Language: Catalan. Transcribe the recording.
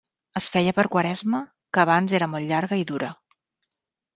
Es feia per Quaresma, que abans era molt llarga i dura.